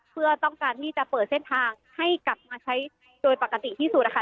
เพื่อต้องการที่จะเปิดเส้นทางให้กลับมาใช้โดยปกติที่สุดนะคะ